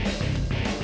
eh mbak be